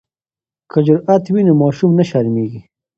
که جرات وي نو ماشوم نه شرمیږي.